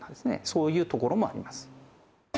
そういう所もあります。